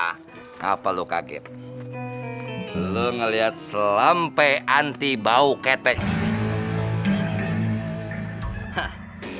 hahaha apa lu kaget lu ngelihat selampe anti bau ketek